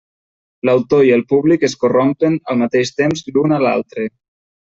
L'autor i el públic es corrompen al mateix temps l'un a l'altre.